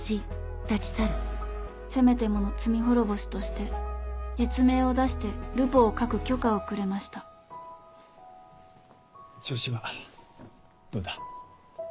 せめてもの罪滅ぼしとして実名を出してルポを書く許可をくれました調子はどうだ？